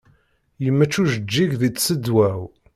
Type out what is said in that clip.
Yemmečč ujeǧǧig di tseḍwa-w.